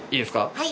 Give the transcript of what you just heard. はい。